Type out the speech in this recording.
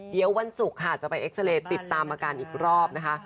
เดี๋ยววันศุกร์ค่ะจะไปเอ็กซาเรย์ติดตามอาการอีกรอบนะคะ